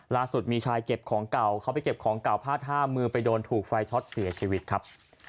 ล่าสุดมีชายเก็บของเก่าเขาไปเก็บของเก่าพาดท่ามือไปโดนถูกไฟช็อตเสียชีวิตครับ